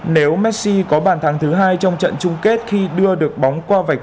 nếu messi có bàn thắng thứ hai trong trận chung kết khi đưa được bóng qua vài kết